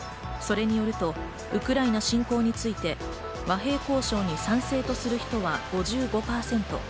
それによると、ウクライナ侵攻について、和平交渉に賛成とする人は５５％。